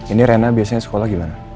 ini rena biasanya sekolah gimana